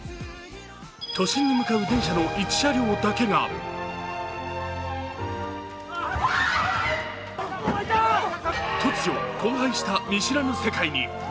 都心に向かう電車の１車両だけが突如、荒廃した見知らぬ世界に。